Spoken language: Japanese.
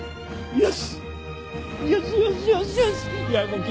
よし！